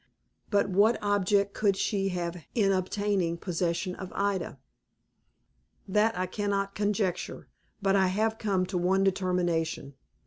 But what object could she have in obtaining possession of Ida?" "That I cannot conjecture; but I have come to one determination."